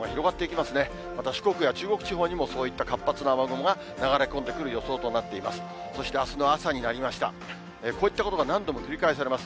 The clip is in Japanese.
また四国や中国地方にも、そういった活発な雨雲が流れ込んでくる予想となっています。